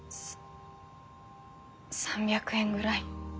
３００円ぐらい。